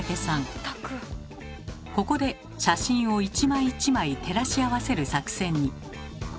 ここで写真を一枚一枚照らし合わせる作戦に。